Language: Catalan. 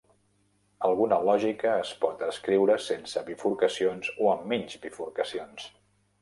Alguna lògica es pot escriure sense bifurcacions o amb menys bifurcacions.